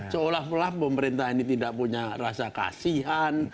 seolah olah pemerintah ini tidak punya rasa kasihan